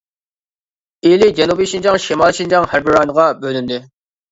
ئىلى، جەنۇبىي شىنجاڭ، شىمالىي شىنجاڭ ھەربىي رايونىغا بۆلۈندى.